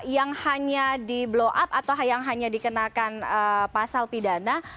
yang hanya di blow up atau yang hanya dikenakan pasal pidana